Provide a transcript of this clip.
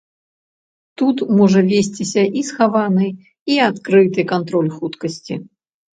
Тут можа весціся і схаваны, і адкрыты кантроль хуткасці.